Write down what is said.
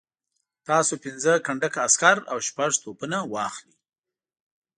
تاسو پنځه کنډکه عسکر او شپږ توپونه واخلئ.